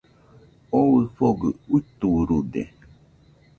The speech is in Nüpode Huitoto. Oo ɨfogɨ uiturude